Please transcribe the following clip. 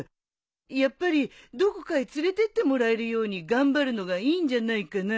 やっぱりどこかへ連れてってもらえるように頑張るのがいいんじゃないかな。